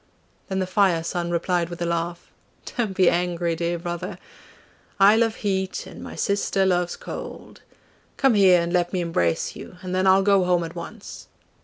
Then the Fire son replied with a laugh, 'Don't be angry, dear brother! I love heat and my sister loves cold come here and let me embrace you, and then I'll go home at once.